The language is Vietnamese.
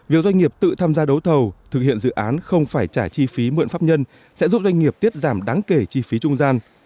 việc doanh nghiệp tự tham gia đấu thầu thực hiện dự án không phải trả chi phí mượn pháp nhân sẽ giúp doanh nghiệp tiết giảm đáng kể chi phí trung gian